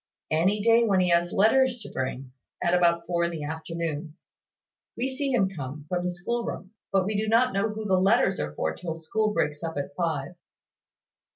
"Any day when he has letters to bring, at about four in the afternoon. We see him come, from the school room; but we do not know who the letters are for till school breaks up at five."